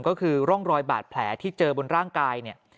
ก็คือร่องรอยบาดแผลที่เจอบนร่างกายเนี่ย